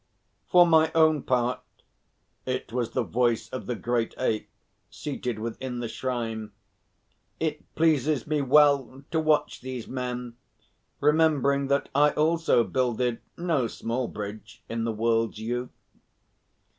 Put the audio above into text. "For my own part," it was the voice of the great Ape seated within the shrine "it pleases me well to watch these men, remembering that I also builded no small bridge in the world's youth."